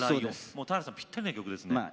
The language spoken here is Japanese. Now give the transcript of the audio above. もう田原さんにぴったりな曲ですね。